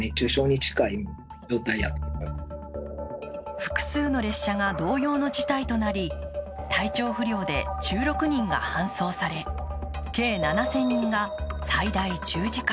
複数の列車が同様の事態となり体調不良で１６人が搬送され、計７０００人が最大１０時間